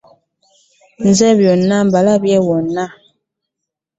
Nze bonna mbalabye wano.